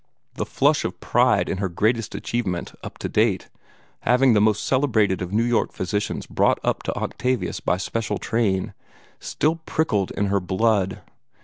The flush of pride in her greatest achievement up to date having the most celebrated of New York physicians brought up to Octavius by special train still prickled in her blood.